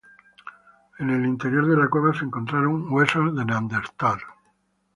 En el interior de la cueva se encontraron huesos de Neandertal.